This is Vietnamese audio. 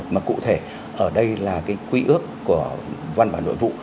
mà cụ thể ở đây là cái quy ước của văn bản nội vụ